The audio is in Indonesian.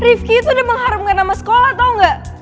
rifqi itu udah mengharumkan sama sekolah tau gak